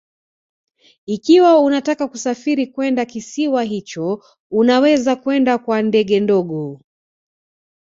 Ikiwa unataka kusafiri kwenda kisiwa hicho unaweza kwenda kwa ndege ndogo